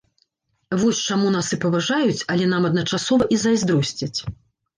Вось чаму нас і паважаюць, але нам адначасова і зайздросцяць.